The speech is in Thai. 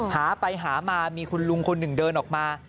หาไปหามามีคุณลุงคนหนึ่งเดินออกมา